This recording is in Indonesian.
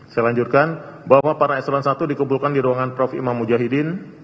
saya lanjutkan bahwa para eselon satu dikumpulkan di ruangan prof imam mujahidin